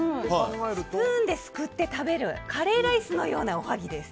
スプーンですくって食べるカレーライスのようなおはぎです。